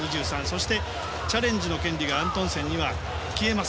そして、チャレンジの権利がアントンセンには消えます